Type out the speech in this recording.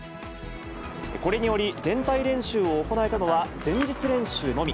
これにより、全体練習を行えたのは前日練習のみ。